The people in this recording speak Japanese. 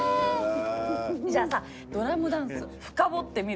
じゃあさドラムダンスフカボってみる？